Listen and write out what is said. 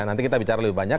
nanti kita bicara lebih banyak